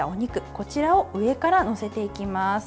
こちらを上から載せていきます。